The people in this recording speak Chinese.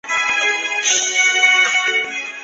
日之出町为东京都西部西多摩郡的町。